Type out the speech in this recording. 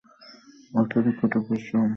অত্যধিক কঠোর পরিশ্রম করা উচিত নয়, উহা ক্ষতিকর।